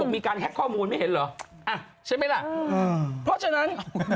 มีการแฮ็กข้อมูลไม่เห็นเหรอใช่ไหมล่ะเพราะฉะนั้น